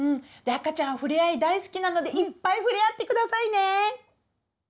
赤ちゃんふれあい大好きなのでいっぱいふれあってくださいね！